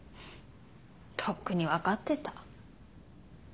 とっくに分かってた。